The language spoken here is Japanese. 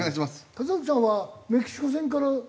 里崎さんはメキシコ戦からずっと。